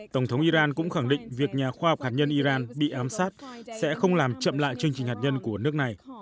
tổng thống iran cũng khẳng định việc nhà khoa học hạt nhân iran bị ám sát sẽ không làm chậm lại chương trình hạt nhân của nước này